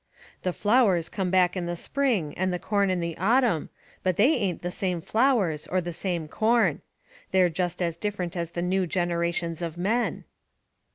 The flowers come back in the spring, and the corn in the autumn, but they ain't the same flowers or the same corn. They're just as different as the new generations of men."